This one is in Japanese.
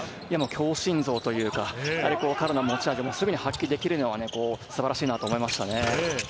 強心臓というか、彼の持ち味をすぐに発揮できるのは素晴らしいなと思いましたね。